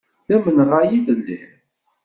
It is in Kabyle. D amenɣay i telliḍ?